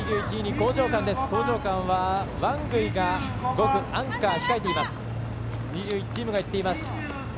興譲館はワングイが５区、アンカーで控えています。